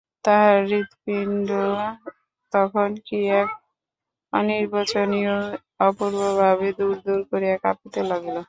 তাহার হৃৎপিণ্ড তখন কি এক অনির্বচনীয় অপূর্বভাবে দুরদুর করিয়া কাঁপিতে লাগিল।